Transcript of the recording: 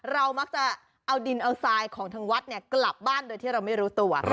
เรามักจะเอาดินเอาทรายของทางวัดเนี่ยกลับบ้านโดยที่เราไม่รู้ตัว